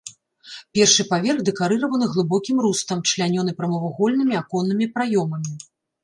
Першы паверх дэкарыраваны глыбокім рустам, члянёны прамавугольнымі аконнымі праёмамі.